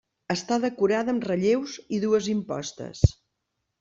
Està decorada amb relleus i dues impostes.